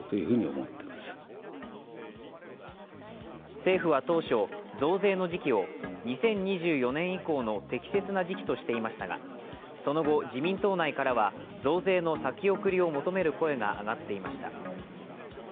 政府は当初、増税の時期を２０２４年以降の適切な時期としていましたがその後、自民党内からは増税の先送りを求める声が上がっていました。